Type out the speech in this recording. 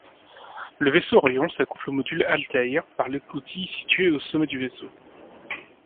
Le vaisseau Orion s’accouple au module Altair par l’écoutille situé au sommet du vaisseau.